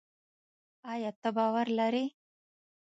ایا ته باور لري؟